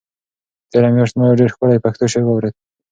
تېره میاشت ما یو ډېر ښکلی پښتو شعر واورېد.